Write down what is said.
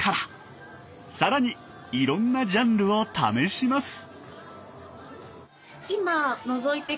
更にいろんなジャンルを試します。